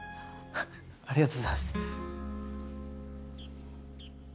ありがとうございます。